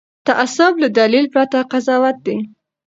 تعصب له دلیل پرته قضاوت دی